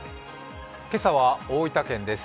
今朝は大分県です。